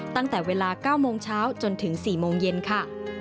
ตั้งแต่เวลา๙โมงเช้าจนถึง๔โมงเย็นค่ะ